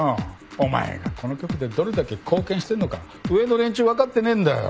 お前がこの局でどれだけ貢献してんのか上の連中分かってねえんだよ。